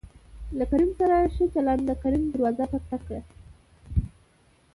له کريم سره ښه چلېده د کريم دروازه ټک، ټک کړه.